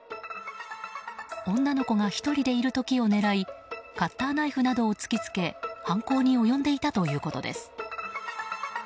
女の子が１人でいる時を狙いカッターナイフなどを突きつけ犯行に及んでいたということです。